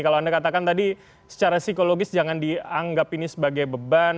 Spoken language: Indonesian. kalau anda katakan tadi secara psikologis jangan dianggap ini sebagai beban